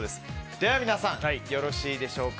では皆さん、よろしいでしょうか。